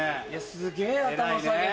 すげぇ頭下げて。